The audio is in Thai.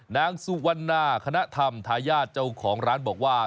นางสุวรรณาคณะธรรมทายาทเจ้าของร้านบอกว่า